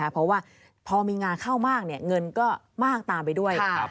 เพราะว่าพอมีงานเข้ามากเงินก็มากตามไปด้วย